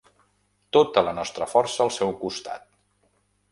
Tota la nostra força al seu costat.